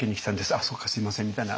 「あっそうかすみません」みたいな